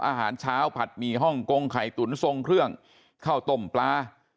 อาหารเช้าผัดหมี่ฮ่องกงไข่ตุ๋นทรงเครื่องข้าวต้มปลา